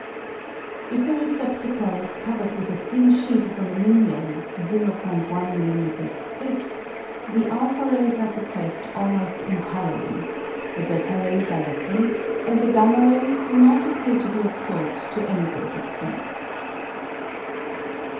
If the receptacle is covered with a thin sheet of aluminium (o'l m.m. thick), the o rays are suppressed almost entirely, the /3 rays are lessened, and the y rays do not appear to be absorbed to any great extent.